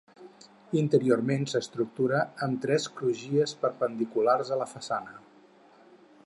Interiorment s'estructura amb tres crugies perpendiculars a façana.